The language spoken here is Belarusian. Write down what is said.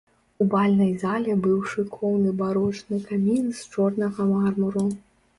У бальнай зале быў шыкоўны барочны камін з чорнага мармуру.